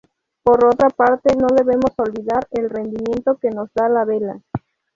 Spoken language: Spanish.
Por otra parte no debemos olvidar el rendimiento que nos da la vela.